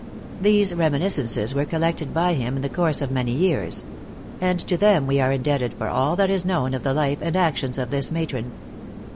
These reminiscences were collected by him in the course of many years; and to them we are indebted for all that is known of the life and actions of this matron.